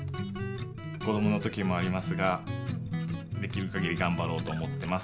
こどもの時もありますができるかぎりがんばろうと思ってます。